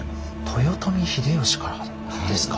豊臣秀吉からですか！